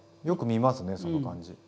よく見ますねその感じ。